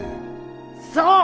そう！